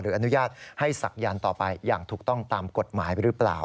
อนุญาตให้ศักยันต์ต่อไปอย่างถูกต้องตามกฎหมายหรือเปล่า